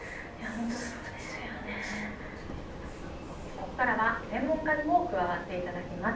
ここからは専門家にも加わっていただきます。